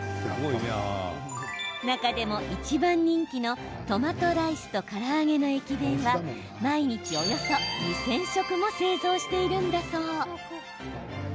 中でも、一番人気のトマトライスとから揚げの駅弁は毎日およそ２０００食も製造しているんだそう。